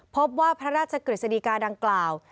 พบว่าพระราชกฤษฎีกาดังกล่าว